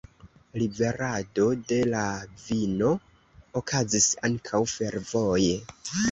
Liverado de la vino okazis ankaŭ fervoje.